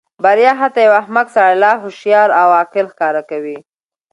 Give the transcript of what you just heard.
بریا حتی یو احمق سړی لا هوښیار او عاقل ښکاره کوي.